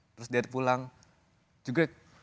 terus dari pulang juga ya